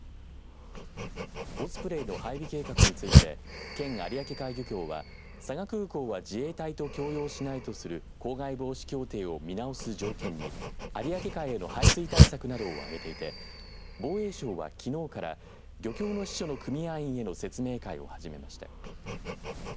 オスプレイの配備計画について県有明海漁協は佐賀空港は自衛隊と強要しないとする公害防止協定を見直す条件に有明海への排水対策などをあげていて防衛省は、きのうから漁協の組合員への説明会を始めました。